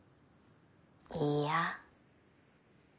いいや。